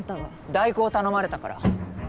代行頼まれたから。